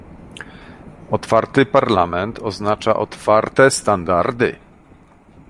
Otwarty Parlament oznacza otwarte standardy